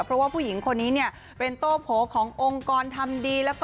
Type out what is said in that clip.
เพราะว่าผู้หญิงคนนี้เป็นโตโผขององค์กรทำดี